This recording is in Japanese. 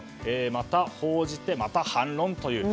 また報じてまた反論という。